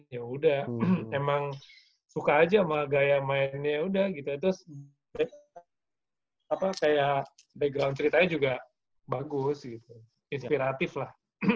ya udah emang suka aja sama gaya mainnya udah gitu terus kayak background ceritanya juga bagus gitu inspiratif lah